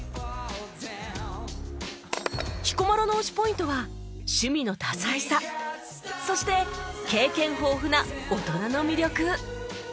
彦摩呂の推しポイントは趣味の多彩さそして経験豊富な大人の魅力